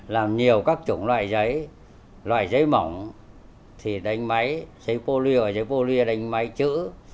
làm nhiều các chủng loại giấy loại giấy mỏng thì đánh máy xây poly ở giấy polya đánh máy chữ